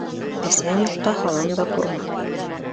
Бесән юҡта һалам да курмы.